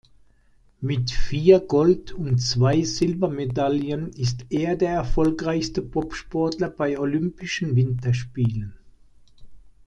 Mit vier Gold- und zwei Silbermedaillen ist er der erfolgreichste Bobsportler bei Olympischen Winterspielen.